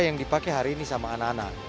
yang dipakai hari ini sama anak anak